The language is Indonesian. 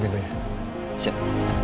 berurusan abc sama